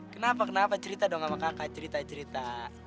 kenapa kenapa cerita dong sama kakak cerita cerita